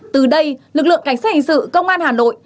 từ đây lực lượng cảnh sát hình sự công an hà nội